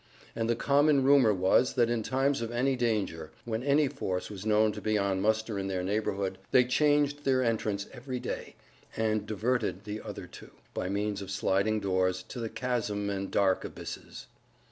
And the common rumor was that in times of any danger, when any force was known to be on muster in their neighborhood, they changed their entrance every day, and diverted the other two, by means of sliding doors, to the chasm and dark abysses.